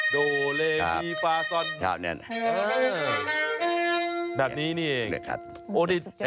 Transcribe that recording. โดเลฟีฟาซอนแบบนี้นี่เอง